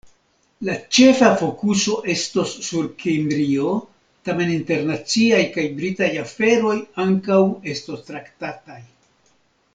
La ĉefa fokuso estos sur Kimrio, tamen internaciaj kaj Britaj aferoj ankaŭ estos traktataj.